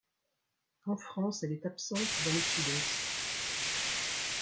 En France, elle est absente dans le sud-est.